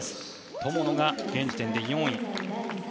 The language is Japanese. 友野が現時点で４位。